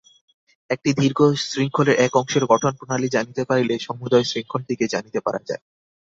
একটি দীর্ঘ শৃঙ্খলের এক অংশের গঠনপ্রণালী জানিতে পারিলে সমুদয় শৃঙ্খলটিকেই জানিতে পারা যায়।